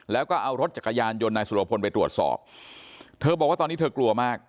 แล้วก็เอารถจักรยานยนต์นายสุรพลไปตรวจสอบเธอบอกว่าตอนนี้เธอกลัวมาก